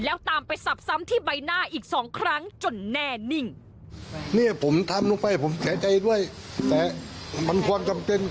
แล้วตามไปสับซ้ำที่ใบหน้าอีก๒ครั้งจนแน่นิ่ง